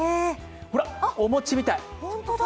ほら、お餅みたい。